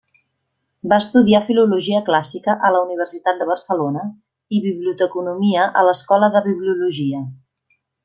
Va estudiar Filologia Clàssica a la Universitat de Barcelona i Biblioteconomia a l'Escola de Bibliologia.